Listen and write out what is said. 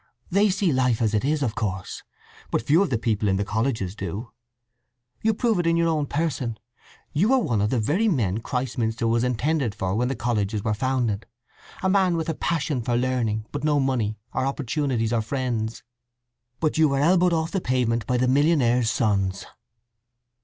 "They see life as it is, of course; but few of the people in the colleges do. You prove it in your own person. You are one of the very men Christminster was intended for when the colleges were founded; a man with a passion for learning, but no money, or opportunities, or friends. But you were elbowed off the pavement by the millionaires' sons."